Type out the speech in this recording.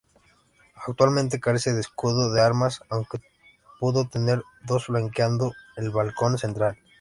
Actualmente carece de escudo de armas, aunque pudo tener dos, flanqueando el balcón central.